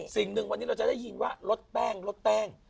สิ่งหนึ่งวันนี้เราจะได้ยินว่าลดแป้งลดแป้ง